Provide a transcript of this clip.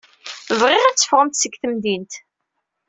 Bɣiɣ ad teffɣemt seg temdint.